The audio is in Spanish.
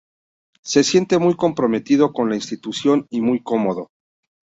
Se siente muy comprometido con la institución y muy cómodo.